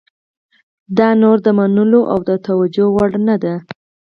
دا نور د منلو او توجیه وړ نه ده.